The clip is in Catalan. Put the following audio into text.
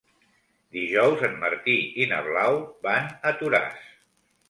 Dijous en Martí i na Blau van a Toràs.